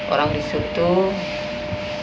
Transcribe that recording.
orang disuruh tuh